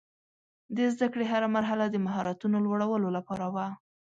د زده کړې هره مرحله د مهارتونو لوړولو لپاره وه.